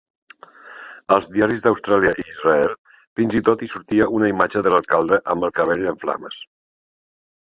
Als diaris d'Austràlia i Israel fins i tot hi sortia una imatge de l'alcalde amb el cabell en flames.